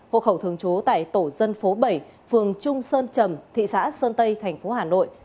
hộ khẩu thường trú tại tổ dân phố bảy phường trung sơn trầm thị xã sơn tây tp hcm